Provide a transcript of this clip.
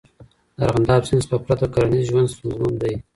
د ارغنداب سیند څخه پرته کرنیز ژوند ستونزمن دی.